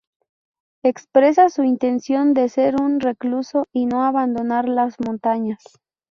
Expresa su intención de ser un recluso y no abandonar las montañas.